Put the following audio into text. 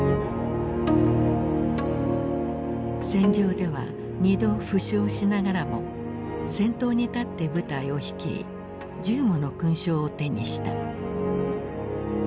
戦場では２度負傷しながらも先頭に立って部隊を率い１０もの勲章を手にした。